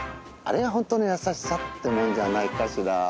あれがホントの優しさってもんじゃないかしら。